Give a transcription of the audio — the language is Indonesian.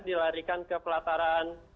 dilarikan ke pelataran